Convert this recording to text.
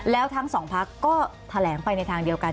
แล้วทั้งสองพักก็แถลงไปในทางเดียวกัน